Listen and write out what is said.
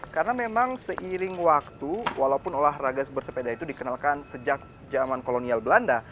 karena memang seiring waktu walaupun olahraga bersepeda itu dikenalkan sejak zaman kolonial belanda